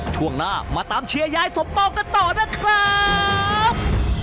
ช่วงหน้ามาตามเชียร์ยายสมปองกันต่อนะครับ